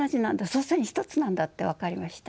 祖先一つなんだって分かりました。